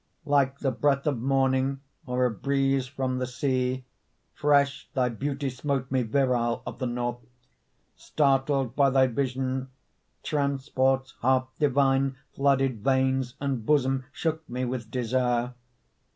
Like the breath of morning Or a breeze from sea, Fresh thy beauty smote me, Virile of the north. Startled by thy vision, Transports half divine Flooded veins and bosom, Shook me with desire.